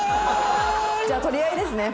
じゃあ取り合いですね